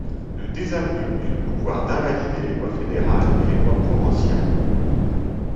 Le désaveu est le pouvoir d'invalider des lois fédérales et les lois provinciales.